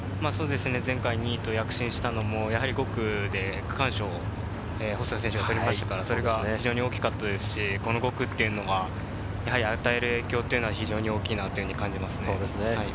前回２位と躍進したのも５区で区間賞を細谷選手が取りましたから、それが大きかったですし、この５区は与える影響が非常に大きいと感じますね。